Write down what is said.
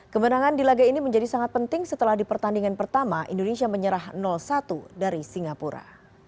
kemenangan di laga ini menjadi sangat penting setelah di pertandingan pertama indonesia menyerah satu dari singapura